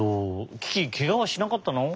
キキけがはしなかったの？